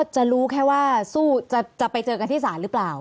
อ๋อจะรู้แค่ว่าจะไปเจอกันที่สารหรือเปล่า